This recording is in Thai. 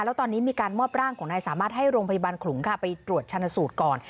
แล้วตอนนี้มีการมอบร่างของนายสามารถให้โรงพยาบาลขลุงค่ะไปตรวจชนสูตรก่อน